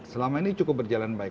selama ini cukup berjalan baik